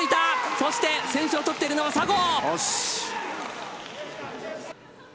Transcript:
そして先取を取っているのは佐合。